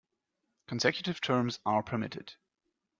Consecutive terms are permitted.